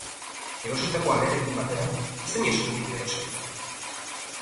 Erositako alearekin batera, zein eskubide erosi duzu?